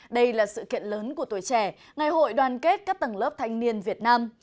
đây là sự kiện lớn của tuổi trẻ ngày hội đoàn kết các tầng lớp thanh niên việt nam